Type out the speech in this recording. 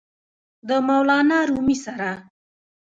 د مولانا رومي سره!!!